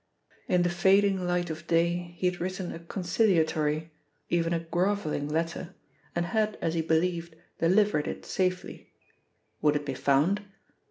In the fading light of day he had written a conciliatory, even a grovelling letter, and had, as he believed, delivered it safely. Would it be found?